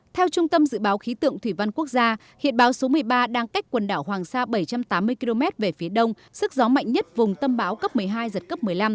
theo trung tâm dự báo khí tượng thủy văn quốc gia hiện bão số một mươi ba đang cách quần đảo hoàng sa bảy trăm tám mươi km về phía đông sức gió mạnh nhất vùng tâm bão cấp một mươi hai giật cấp một mươi năm